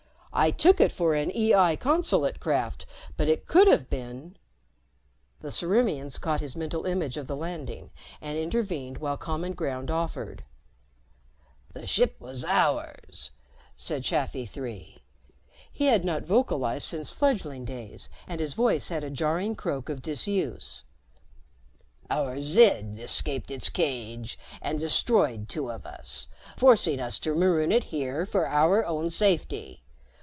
"I took it for an EI consulate craft, but it could have been " The Ciriimians caught his mental image of the landing and intervened while common ground offered. "The ship was ours," said Chafi Three. He had not vocalized since fledgling days and his voice had a jarring croak of disuse. "Our Zid escaped its cage and destroyed two of us, forcing us to maroon it here for our own safety.